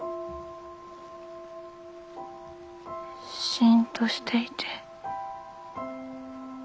しんとしていて。